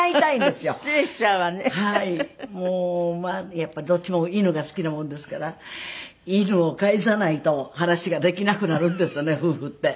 やっぱりどっちも犬が好きなもんですから犬を介さないと話ができなくなるんですよね夫婦って。